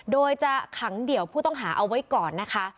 โดยจะขังเดี่ยวผู้ต้องหาเอาไว้ก่อนนะคะ